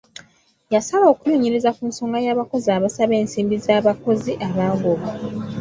Yasaba okunoonyereza ku nsonga y'abakozi abasaba ensimbi z'abakozi abaagobwa.